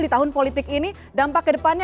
di tahun politik ini dampak kedepannya